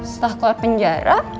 setelah keluar penjara